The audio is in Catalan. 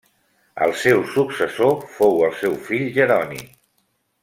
El seu successor fou el seu fill Jeroni.